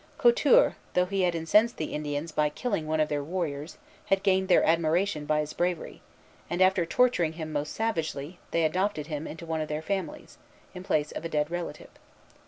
Couture, though he had incensed the Indians by killing one of their warriors, had gained their admiration by his bravery; and, after torturing him most savagely, they adopted him into one of their families, in place of a dead relative.